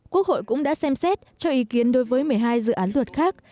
quốc hội cũng đã xem xét cho ý kiến đối với một mươi hai dự án luật khác